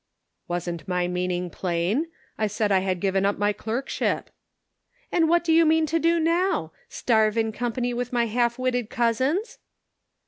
" Wasn't my meaning plain ? I said I had given up my clerkship." " And what do you mean to do now ? Starve in company with my half witted cousins